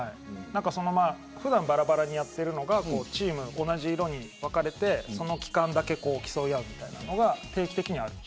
普段バラバラにやっているのがチームの同じ色に分かれてその期間だけ競い合うみたいなのが定期的にある。